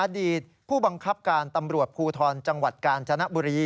อดีตผู้บังคับการตำรวจภูทรจังหวัดกาญจนบุรี